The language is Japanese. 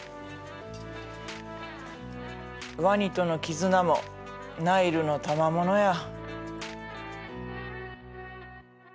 ワニとの絆もナイルのたまものや。